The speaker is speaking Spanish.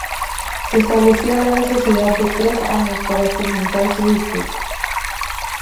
Se establecía la necesidad de tres años para "cimentar" su virtud.